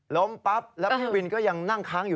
ล้มปั๊บแล้วพี่วินก็ยังนั่งค้างอยู่